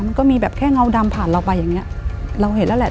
มันก็มีแบบแค่เงาดำผ่านเราไปอย่างเงี้ยเราเห็นแล้วแหละ